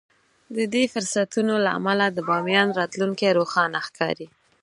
د دې فرصتونو له امله د باميان راتلونکی روښانه ښکاري.